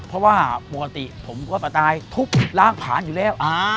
เพราะว่าปกติผมก็กระต่ายทุบล้างผ่านอยู่แล้ว